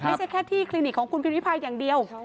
ไม่ใช่แค่ที่คลินิกของคุณพิมพิพายอย่างเดียว